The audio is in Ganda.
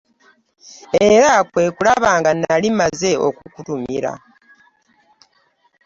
Era kwe kulaba nga nnali mmaze okukutumira.